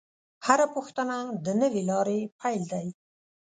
هره پوښتنه د نوې لارې پیل دی.